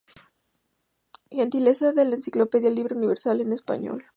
Gentileza de la Enciclopedia Libre Universal en Español.